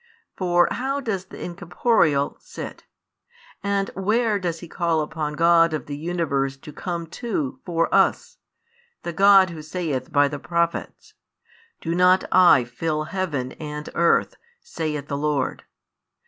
For how does the Incorporeal sit? And where does He call upon the God of the universe to come to for us, the God Who saith by the Prophets: Do not I fill heaven and earth, saith the Lord?